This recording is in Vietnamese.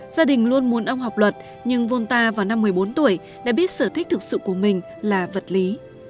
gia đình luôn muốn ông học luật nhưng volta vào năm một mươi bốn tuổi đã biết sở thích thực sự của mình là vật lý